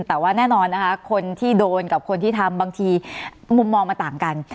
แต่ว่าแน่นอนนะคะคนที่โดนกับคนที่ทำบางทีมุมมองมันต่างกัน